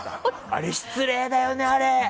あれ、失礼だよね。